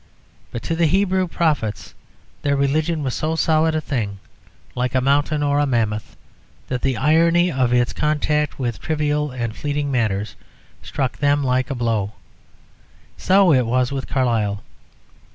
But to the Hebrew prophets their religion was so solid a thing, like a mountain or a mammoth, that the irony of its contact with trivial and fleeting matters struck them like a blow. So it was with Carlyle.